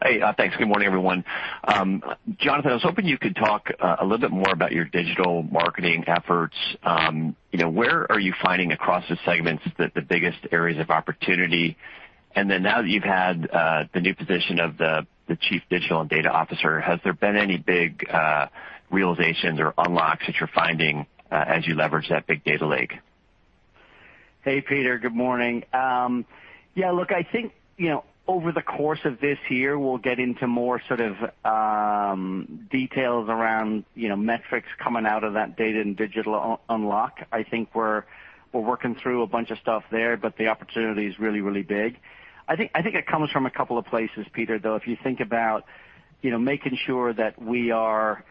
Hey. Thanks. Good morning, everyone. Jonathan, I was hoping you could talk a little bit more about your digital marketing efforts. You know, where are you finding across the segments the biggest areas of opportunity? Now that you've had the new position of the chief digital and data officer, has there been any big realizations or unlocks that you're finding as you leverage that big data lake? Hey, Peter. Good morning. Yeah, look, I think, you know, over the course of this year, we'll get into more sort of details around, you know, metrics coming out of that data and digital unlock. I think we're working through a bunch of stuff there, but the opportunity is really big. I think it comes from a couple of places, Peter, though. If you think about, you know, making sure that we are,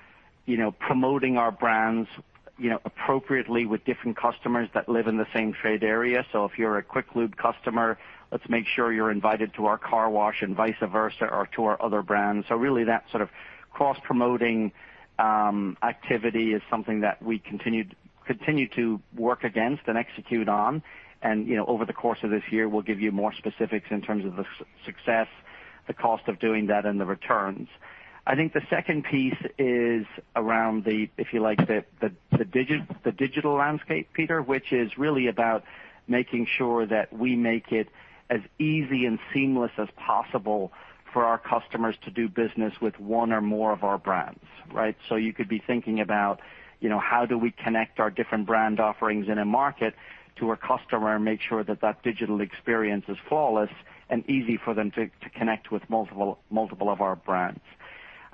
you know, promoting our brands, you know, appropriately with different customers that live in the same trade area. If you're a Quick Lube customer, let's make sure you're invited to our car wash and vice versa or to our other brands. Really that sort of cross-promoting activity is something that we continue to work against and execute on. You know, over the course of this year, we'll give you more specifics in terms of the success, the cost of doing that and the returns. I think the second piece is around the, if you like, digital landscape, Peter, which is really about making sure that we make it as easy and seamless as possible for our customers to do business with one or more of our brands, right? You could be thinking about, you know, how do we connect our different brand offerings in a market to a customer and make sure that that digital experience is flawless and easy for them to connect with multiple of our brands.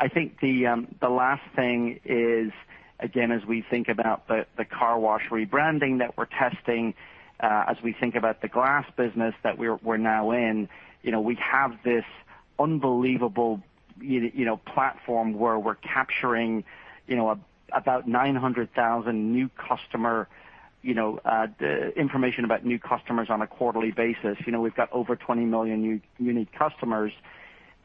I think the last thing is, again, as we think about the car wash rebranding that we're testing, as we think about the glass business that we're now in. You know, we have this unbelievable, you know, platform where we're capturing, you know, about 900,000 new customer information about new customers on a quarterly basis. You know, we've got over 20 million unique customers.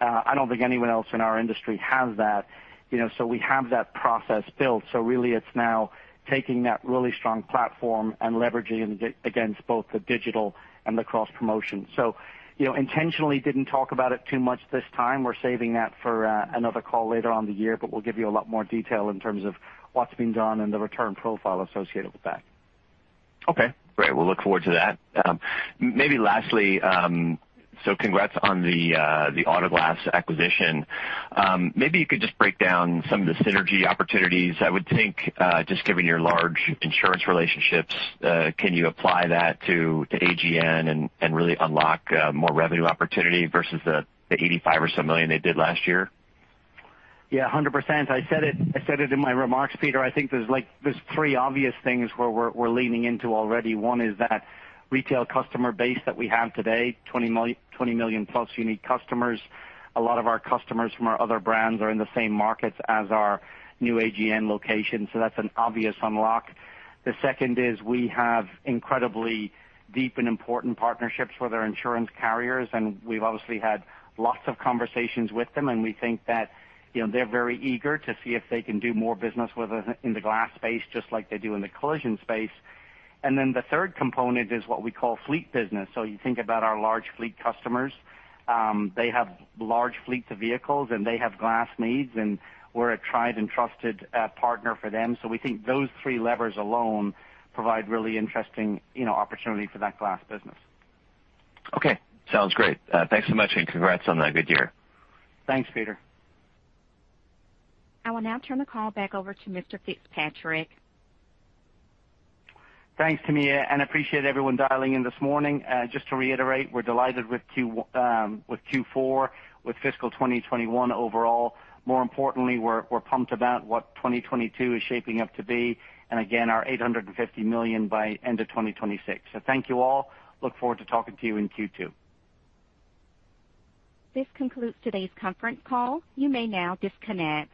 I don't think anyone else in our industry has that, you know. We have that process built. Really, it's now taking that really strong platform and leveraging it against both the digital and the cross-promotion. You know, intentionally didn't talk about it too much this time. We're saving that for another call later in the year, but we'll give you a lot more detail in terms of what's being done and the return profile associated with that. Okay, great. We'll look forward to that. Maybe lastly, congrats on the auto glass acquisition. Maybe you could just break down some of the synergy opportunities. I would think, just given your large insurance relationships, can you apply that to AGN and really unlock more revenue opportunity versus the $85 million or so they did last year? Yeah, 100%. I said it in my remarks, Peter. I think there's three obvious things where we're leaning into already. One is that retail customer base that we have today, 20 million-plus unique customers. A lot of our customers from our other brands are in the same markets as our new AGN location, so that's an obvious unlock. The second is we have incredibly deep and important partnerships with our insurance carriers, and we've obviously had lots of conversations with them, and we think that, you know, they're very eager to see if they can do more business with us in the glass space, just like they do in the collision space. Then the third component is what we call fleet business. You think about our large fleet customers, they have large fleets of vehicles and they have glass needs, and we're a tried and trusted partner for them. We think those three levers alone provide really interesting, you know, opportunity for that glass business. Okay, sounds great. Thanks so much, and congrats on that good year. Thanks, Peter. I will now turn the call back over to Jonathan Fitzpatrick. Thanks, Tamia, and appreciate everyone dialing in this morning. Just to reiterate, we're delighted with Q4, with fiscal 2021 overall. More importantly, we're pumped about what 2022 is shaping up to be, and again, our $850 million by end of 2026. Thank you all. Look forward to talking to you in Q2. This concludes today's conference call. You may now disconnect.